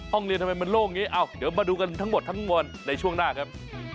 โรงเรียนทำไมมันโล่งอย่างนี้เดี๋ยวมาดูกันทั้งหมดทั้งมวลในช่วงหน้าครับ